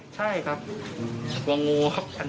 ใช่ครับกลัวงู